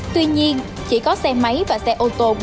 tuy nhiên chỉ có xe máy và xe ô tô